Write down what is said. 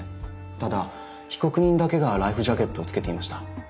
ただ被告人だけがライフジャケットを着けていました。